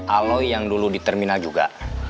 aloy yang dulu di terminal juga